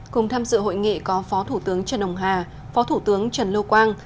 cùng tham dự hội nghị có phó thủ tướng trần ông hà phó thủ tướng trần lưu quang